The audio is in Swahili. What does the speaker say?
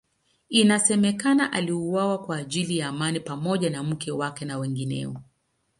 Inasemekana aliuawa kwa ajili ya imani pamoja na mke wake na wengineo.